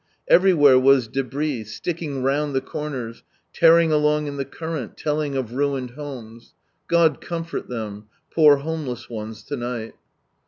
Everywhere was debris, sticking round the corners, tearing along in the current, telling of ruined homes. God comfort them, poor homeless ones to night.